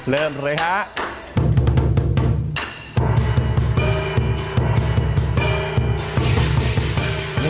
เริ่มเลยครับ